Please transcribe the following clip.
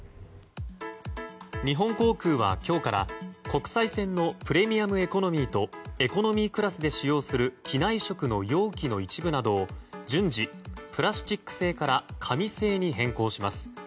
日本航空は今日から国際線のプレミアムエコノミーとエコノミークラスで使用する機内食の容器の一部などを順次プラスチック製から紙製に変更します。